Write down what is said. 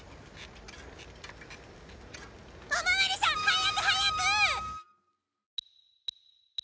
お巡りさん早く早く！